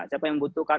siapa yang membutuhkan